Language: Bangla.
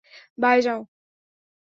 বাঁয়ে যাও।